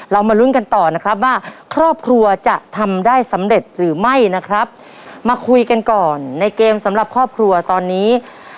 มาลุ้นกันต่อนะครับว่าครอบครัวจะทำได้สำเร็จหรือไม่นะครับมาคุยกันก่อนในเกมสำหรับครอบครัวตอนนี้